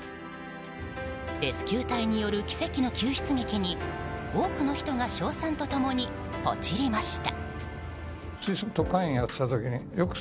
レスキュー隊による奇跡の救出劇に多くの人が賞賛と共にポチりました。